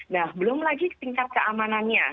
nah belum lagi tingkat keamanannya